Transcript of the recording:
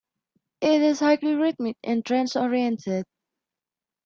It is highly rhythmic and trance-oriented.